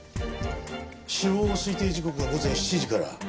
死亡推定時刻が午前７時から９時の間。